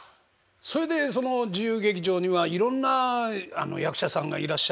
それでその自由劇場にはいろんな役者さんがいらっしゃるでしょ？